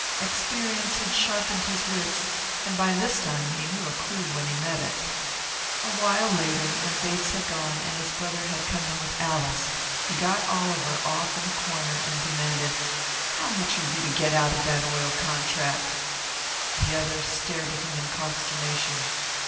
Experience had sharpened his wits, and by this time he knew a clew when he met it. A while later, when Bates had gone and his brother had come in with Alice, he got Oliver off in a corner and demanded, "How much are you to get out of that oil contract?" The other stared at him in consternation.